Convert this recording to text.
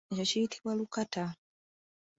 Ekyo kiyitibwa lukata.